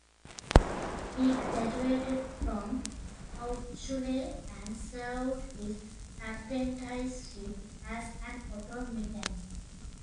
He graduated from Hauptschule and served his apprenticeship as an auto mechanic.